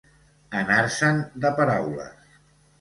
Anar-se'n de paraules.